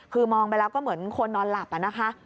คือมองไปแล้วก็เหมือนคนนอนหลับนะคะ